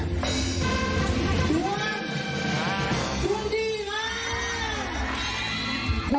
ดวงดวงดีค่ะ